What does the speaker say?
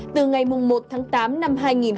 từ ngày một tháng tám năm hai nghìn hai mươi hai